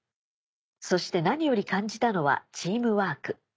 そして何より感じたのはチームワーク。